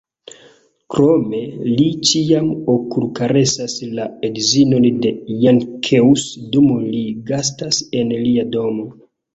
Krome, li ĉiam okulkaresas la edzinon de Jankeus dum li gastas en lia domo.